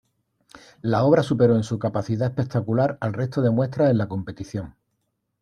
La obra superó en su capacidad espectacular al resto de muestras en la competición.